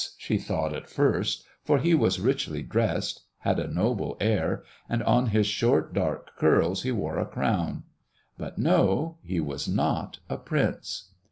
she thought at first; for he was richly dressed, had a noble air, and on his short dark curls he wore a crown. But no; he was not a prince.